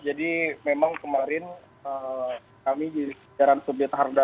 jadi memang kemarin kami di sejarah subdit harda